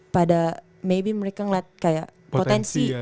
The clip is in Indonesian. pada maybe mereka ngeliat kayak potensi